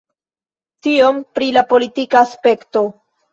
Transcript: Tiom pri la politika aspekto.